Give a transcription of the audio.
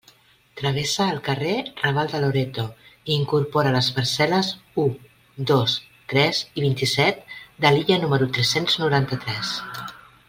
Travessa el carrer Raval de Loreto i incorpora les parcel·les u, dos, tres i vint-i-set de l'illa número tres-cents noranta-tres.